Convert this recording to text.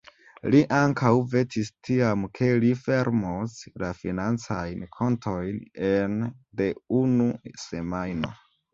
Li ankaŭ vetis tiam, ke li fermos la financajn kontojn ene de unu semajno.